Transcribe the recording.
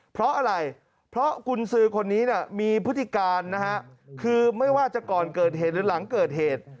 เพราะอะไรเพราะกุญสือคนนี้มีพฤติการนะฮะคือไม่ว่าจะก่อนเกิดเหตุหรือหลังเกิดเหตุ